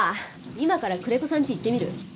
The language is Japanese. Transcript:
今から久連木さんち行ってみる？